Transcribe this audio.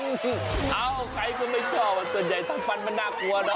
เอ้าใครก็ไม่ชอบตัวใหญ่ของปันมันน่ากลัวนะ